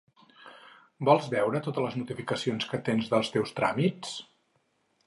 Vols veure totes les notificacions que tens dels teus tràmits?